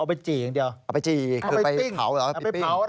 เอาไปจี๊เอาไปเต้งเอาไปเผานะฮะพี่ปริ้ง